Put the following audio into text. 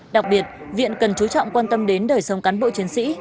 đặc biệt viện cần chú trọng quan tâm đến đời sống cán bộ chiến sĩ